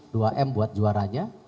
saya kasih dua m buat juaranya